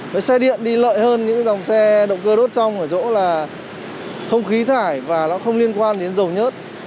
với xe điện đi lợi hơn những dòng xe động cơ đốt trong ở chỗ là không khí thải và nó không liên quan đến dầu nhớt